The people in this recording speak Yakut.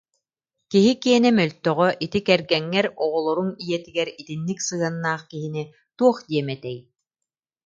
киһи киэнэ мөлтөҕө, ити кэргэҥҥэр, оҕолоруҥ ийэтигэр итинник сыһыаннаах киһини туох диэм этэй